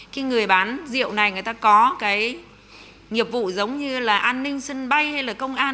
khi người bán rượu này người ta có cái nghiệp vụ giống như là an ninh sân bay hay là công an